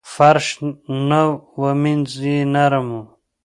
فرش نه و مینځ یې نرم و.